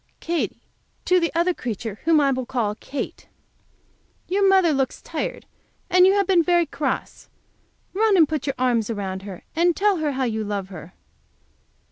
Katy, to the other creature, whom I will call Kate. Your mother looks tired, and you have been very cross. Run and put your arms around her, and tell her how you love her.